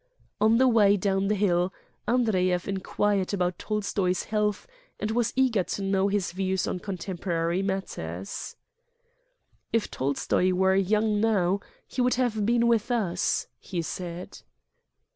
On the way down the hill Andreyev inquired about Tolstoy's health and was eager to know his views on contemporary matters. xii Preface "If Tolstoy were young now he would have been with us," he said.